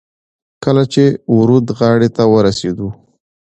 کله چې د ورد غاړې ته ورسېدو.